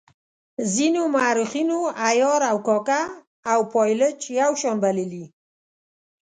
ځینو مورخینو عیار او کاکه او پایلوچ یو شان بللي.